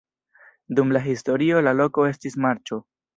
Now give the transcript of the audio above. Dum la historio la loko estis marĉo.